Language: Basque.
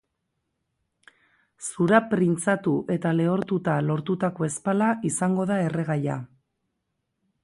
Zura printzatu eta lehortuta lortutako ezpala izango da erregaia.